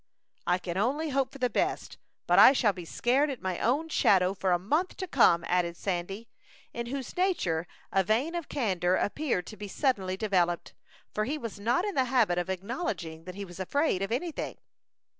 "I can only hope for the best, but I shall be scared at my own shadow for a month to come," added Sandy, in whose nature a vein of candor appeared to be suddenly developed, for he was not in the habit of acknowledging that he was afraid of any thing.